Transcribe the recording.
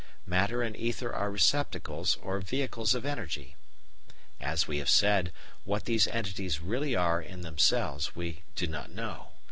Matter and ether are receptacles or vehicles of energy. As we have said, what these entities really are in themselves we do not know.